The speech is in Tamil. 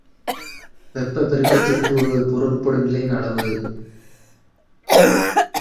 வெப்பப் பெருக்கத்திற்கு ஒரு பொருள் உட்படும் நிலையின் அளவு.